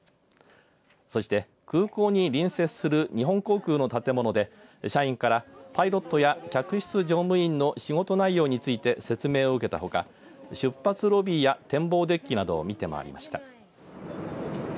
そして、空港に隣接する日本航空の建物で社員からパイロットや客室乗務員の仕事内容について説明を受けたほか出発ロビーや展望デッキなどを見て回りました。